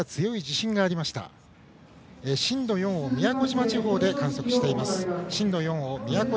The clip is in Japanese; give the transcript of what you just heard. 震度４を宮古島地方で観測しています。